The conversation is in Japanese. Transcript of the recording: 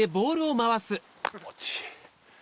気持ちいい。